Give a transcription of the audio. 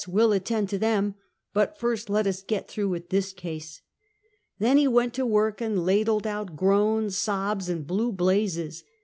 We'll attend to them; but, iBrst, let us get through with this case!" Then he went to work and ladled out groans, sobs and blue blazes.